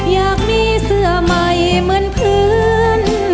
อยากมีเสื้อใหม่เหมือนเพื่อน